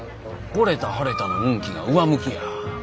ほれたはれたの運気が上向きや。